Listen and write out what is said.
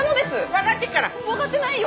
分がってないよ。